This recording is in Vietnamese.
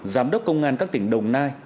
giám đốc công an các tỉnh đồng nai